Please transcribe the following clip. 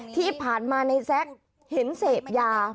ที่ผ่านมาในแซ็กเห็นเสพยา